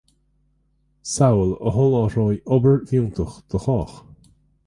samhail a sholáthróidh obair fhiúntach do chách